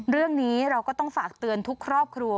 เรื่องนี้เราก็ต้องฝากเตือนทุกครอบครัว